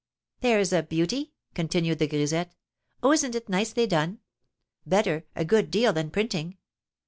"There's a beauty!" continued the grisette. "Oh, isn't it nicely done? Better, a good deal, than printing!